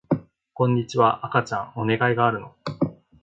こんにちは赤ちゃんお願いがあるの